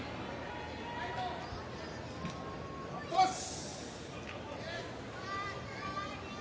待ったなし。